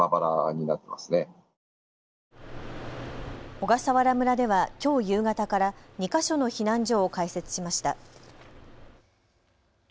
小笠原村ではきょう夕方から２か所の避難所を開設しました。